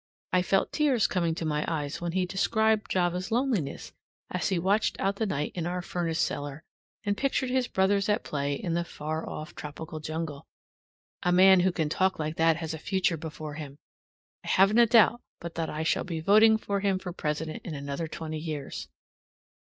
I felt tears coming to my eyes when he described Java's loneliness as he watched out the night in our furnace cellar, and pictured his brothers at play in the far off tropical jungle. A man who can talk like that has a future before him. I haven't a doubt but that I shall be voting for him for President in another twenty years.